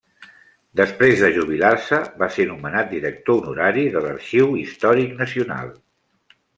Després de jubilar-se va ser nomenar director honorari de l'Arxiu Històric Nacional.